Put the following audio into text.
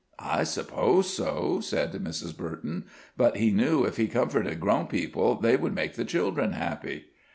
"I suppose so," said Mrs. Burton. "But He knew if He comforted grown people, they would make the children happy."